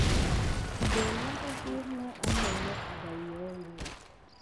Mbeli sika ɗe daku adef simi iki liok siɗef macra mi.